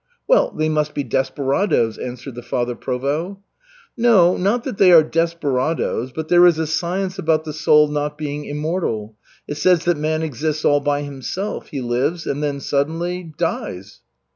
"Well, they must be desperadoes," answered the Father Provost. "Not, not that they are desperadoes, but there is is a science about the soul not being immortal. It says that man exists all by himself. He lives and then suddenly dies."